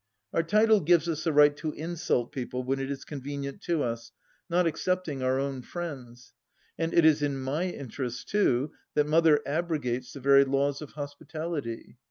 Our title gives us the right to insult people when it is con venient to us, not excepting our own friends. And it is in my interests, too, that Mother abrogates the very laws of hospitality.